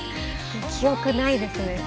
記憶ないですね。